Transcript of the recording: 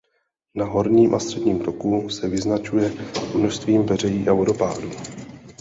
Na horním a středním toku se vyznačuje množstvím peřejí a vodopádů.